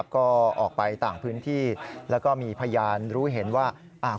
ก็ออกไปต่างพื้นที่แล้วก็มีพยานรู้เห็นว่า